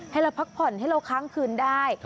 ให้เราพักผ่อนให้เราค้างคืนได้